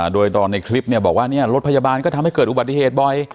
โดยตอนในคลิปบอกว่ารถพยาบาลก็ทำให้เกิดอุบัติเหตุบ่อย